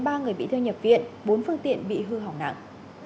bốn phương tiện bị thương nhập viện bốn phương tiện bị hư hỏng nặng